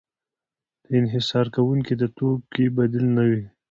د انحصار کوونکي د توکې بدیل نه وي.